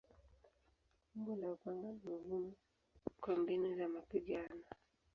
Umbo la upanga ni muhimu kwa mbinu za mapigano.